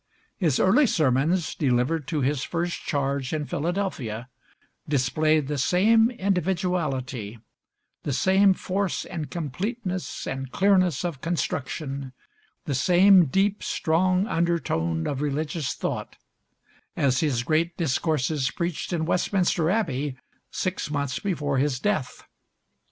His early sermons, delivered to his first charge in Philadelphia, displayed the same individuality, the same force and completeness and clearness of construction, the same deep, strong undertone of religious thought, as his great discourses preached in Westminster Abbey six months before his death.